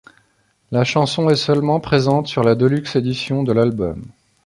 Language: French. La chanson est seulement présente sur la Deluxe Edition de l'album.